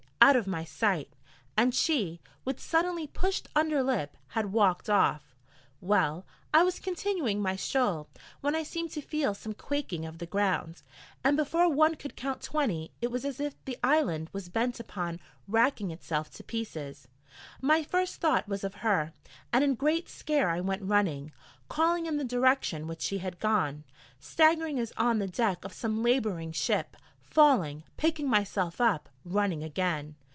out of my sight' and she, with suddenly pushed under lip, had walked off. Well, I was continuing my stroll, when I seemed to feel some quaking of the ground, and before one could count twenty, it was as if the island was bent upon wracking itself to pieces. My first thought was of her, and in great scare I went running, calling in the direction which she had gone, staggering as on the deck of some labouring ship, falling, picking myself up, running again.